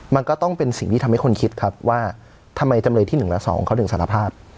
มันก็ต้องเป็นสิ่งที่ทำให้คนคิดครับว่าทำไมจำเลยที่๑และ๒เขาถึงสารภาพ